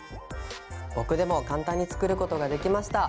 僕でも簡単に作ることができました！